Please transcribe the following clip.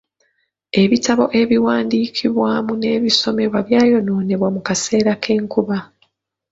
Ebitabo ebiwandiikibwamu n'ebisomebwa byayonoonebwa mu kaseera k'enkuba.